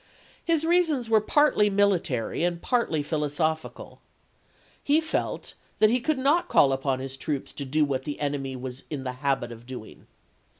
His reasons were partly military and partly phil osophical. He felt that he could not call upon his troops to do what the enemy was in the habit of doing.